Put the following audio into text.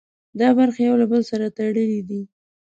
دا برخې یو له بل سره تړلي دي.